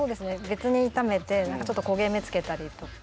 別に炒めて何かちょっとこげ目つけたりとか。